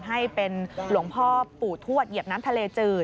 ให้เป็นหลวงพ่อปู่ทวดเหยียบน้ำทะเลจืด